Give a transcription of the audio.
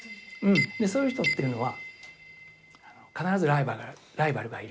そういう人っていうのは必ずライバルがいる。